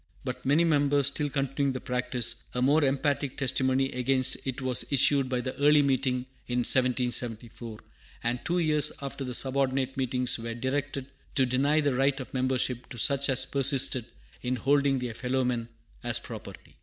But many members still continuing the practice, a more emphatic testimony against it was issued by the Yearly Meeting in 1774; and two years after the subordinate meetings were directed to deny the right of membership to such as persisted in holding their fellow men as property.